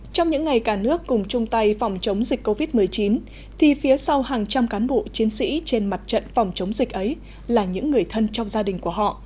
trong những ngày cả nước cùng chung tay phòng chống dịch covid một mươi chín thì phía sau hàng trăm cán bộ chiến sĩ trên mặt trận phòng chống dịch ấy là những người thân trong gia đình của họ